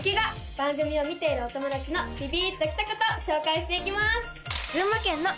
番組を見ているお友達のビビッとキタことを紹介していきます。